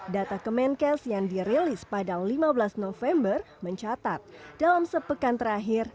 data kemenkes yang dirilis pada lima belas november mencatat dalam sepekan terakhir